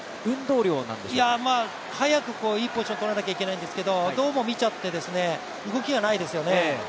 早くいいポジションをとらないといけないんですけど、どうも見ちゃって、動きがないですよね。